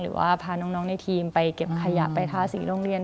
หรือว่าพาน้องในทีมไปเก็บขยะไปทาสีโรงเรียน